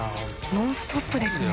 ノンストップですね。